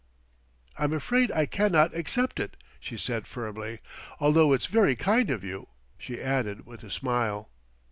"I'm afraid I cannot accept it," she said firmly, "although it's very kind of you," she added with a smile.